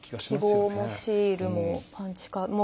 記号もシールもパンチも。